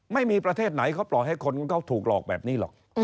ประเทศไหนเขาปล่อยให้คนเขาถูกหลอกแบบนี้หรอก